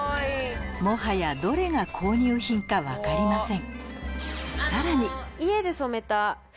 もはやどれが購入品か分かりません